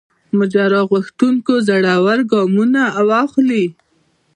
ماجرا غوښتونکو زړه ور ګامونه واخلي.